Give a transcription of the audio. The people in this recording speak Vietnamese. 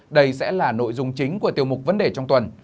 đây sẽ là nội dung chính của tiêu mục vấn đề trong tuần